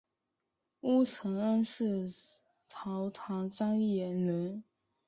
乌承恩是唐朝张掖人。